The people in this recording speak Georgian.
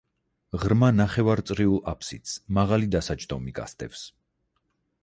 ღრმა ნახევარწრიულ აფსიდს მაღალი დასაჯდომი გასდევს.